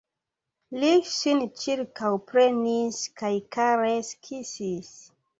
Li ŝin ĉirkaŭprenis kaj karese kisis.